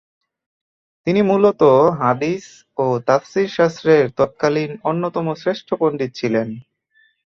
তিনি মূলত হাদিস ও তাফসীর শাস্ত্রের তৎকালীন অন্যতম শ্রেষ্ঠ পণ্ডিত ছিলেন।